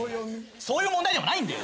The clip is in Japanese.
そういう問題でもないんだよ！